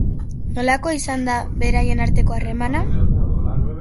Nolakoa izan da beraien arteko harremana?